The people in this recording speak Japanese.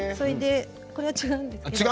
これは違うんですけれども。